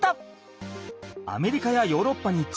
アメリカやヨーロッパに中南米。